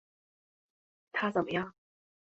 他怎么样？